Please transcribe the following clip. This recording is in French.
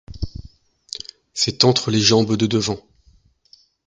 C’est entre les jambes de devant.